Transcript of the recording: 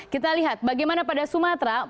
kita lihat bagaimana pada sumatera